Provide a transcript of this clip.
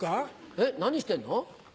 え何してんの？